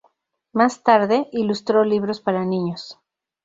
Más tarde, ilustró libros para niños.